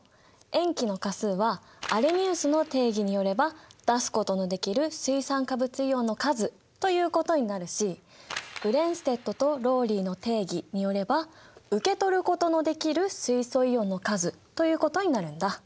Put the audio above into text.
塩基の価数はアレニウスの定義によれば出すことのできる水酸化物イオンの数ということになるしブレンステッドとローリーの定義によれば受け取ることのできる水素イオンの数ということになるんだ。